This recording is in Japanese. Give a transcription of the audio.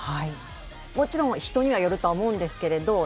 もちろん人にはよると思うんですけど